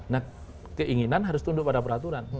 nah keinginan harus tunduk pada peraturan